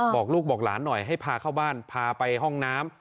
บอกลูกบอกหลานหน่อยให้พาเข้าบ้านพาไปห้องน้ำ